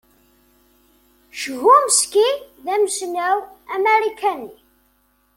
Chomsky d amussnaw amarikani.